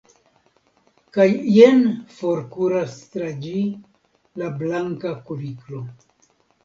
kaj jen forkuras tra ĝi la Blanka Kuniklo.